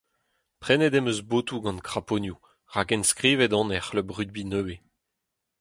Prenet em eus botoù gant kraponioù rak enskrivet on er c'hlub rugbi nevez.